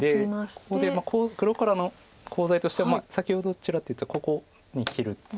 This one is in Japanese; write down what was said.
ここで黒からのコウ材としては先ほどちらっと言ったここに切る手。